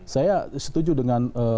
saya setuju dengan